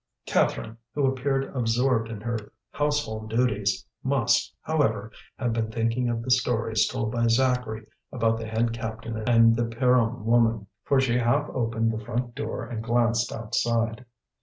Catherine, who appeared absorbed in her household duties, must, however, have been thinking of the stories told by Zacharie about the head captain and the Pierron woman, for she half opened the front door and glanced outside.